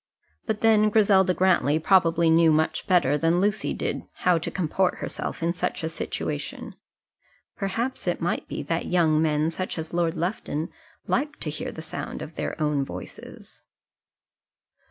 But then Griselda Grantly probably knew much better than Lucy did how to comport herself in such a situation. Perhaps it might be that young men, such as Lord Lufton, liked to hear the sound of their own voices.